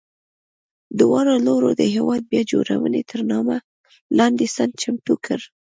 دواړو لورو د هېواد بیا جوړونې تر نامه لاندې سند چمتو کړ.